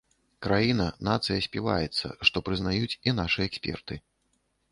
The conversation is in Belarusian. Краіна, нацыя співаецца, што прызнаюць і нашы эксперты.